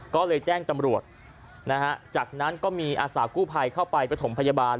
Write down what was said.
ก็เลยแจ้งตำรวจนะฮะจากนั้นก็มีอาสากู้ภัยเข้าไปประถมพยาบาล